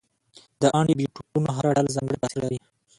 د انټي بیوټیکونو هره ډله ځانګړی تاثیر لري.